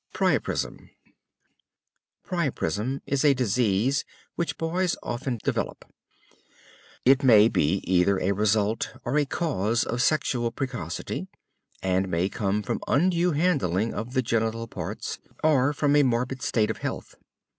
PRIAPISM Priapism is a disease which boys often develop. It may be either a result or a cause of sexual precocity, and may come from undue handling of the genital parts or from a morbid state of health.